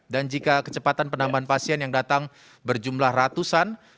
dan jika kecepatan penambahan pasien yang datang berjumlah ratusan